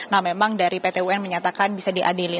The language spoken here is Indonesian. nah memang dari pt un menyatakan bisa diadili